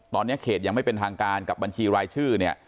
ตอนนี้เขตยังไม่เป็นทางการกับบัญชีรายชื่อเนี่ย